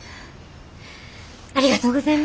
ありがとうございます。